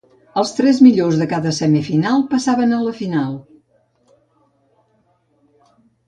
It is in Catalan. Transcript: Els tres millors de cada semifinal passaven a la final.